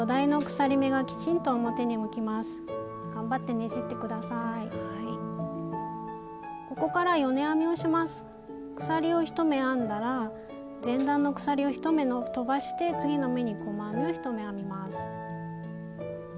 鎖を１目編んだら前段の鎖を１目飛ばして次の目に細編みを１目編みます。